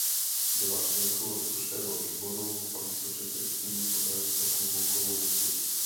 Byla členkou rozpočtového výboru a místopředsedkyní poslaneckého klubu komunistů.